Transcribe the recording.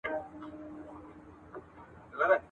پلار چي د دوی زيات ټينګار او د ساتني ژمني ولیدې.